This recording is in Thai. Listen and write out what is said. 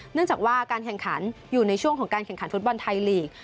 เนื่องจากว่าการแข่งขันอยู่ในช่วงของการแข่งขันฟุตบอลไทยลีก